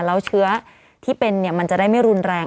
แล้วเชื้อที่เป็นมันจะได้ไม่รุนแรง